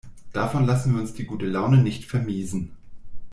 Davon lassen wir uns die gute Laune nicht vermiesen.